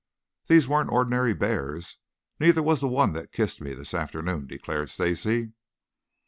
"These weren't ordinary bears. Neither was the one that kissed me this afternoon," declared Stacy.